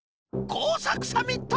こうさくサミット！